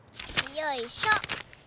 よいしょ！